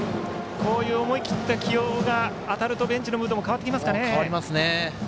こういう思い切った起用が当たるとベンチのムードも変わってきますね。